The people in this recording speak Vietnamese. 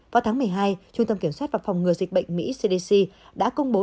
vào tháng một mươi hai trung tâm kiểm soát và phòng ngừa dịch bệnh mỹ cdc đã công bố